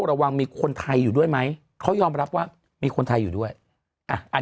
ระวังมีคนไทยอยู่ด้วยไหมเขายอมรับว่ามีคนไทยอยู่ด้วยอ่ะอัน